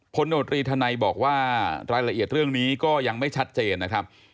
โนตรีธนัยบอกว่ารายละเอียดเรื่องนี้ก็ยังไม่ชัดเจนนะครับ